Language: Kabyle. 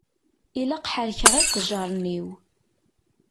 Ilaq ḥerrkeɣ iqejjaṛen-iw.